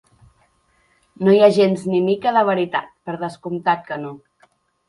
No hi ha gens ni mica de veritat, per descomptat que no.